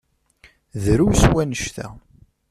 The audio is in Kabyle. Drus wanect-a.